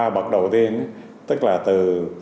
ba bậc đầu tiên tức là từ